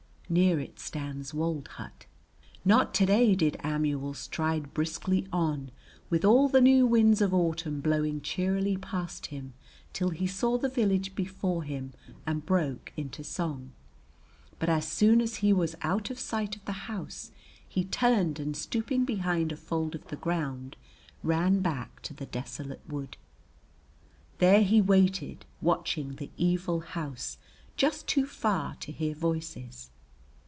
Near it stands wold hut. Not today did Amuel stride briskly on with all the new winds of autumn blowing cheerily past him till he saw the village before him and broke into song; but as soon as he was out of sight of the house he turned and stooping behind a fold of the ground ran back to the desolate wood. There he waited watching the evil house, just too far to hear voices.